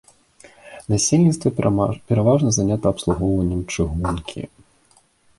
Насельніцтва пераважна занята абслугоўваннем чыгункі.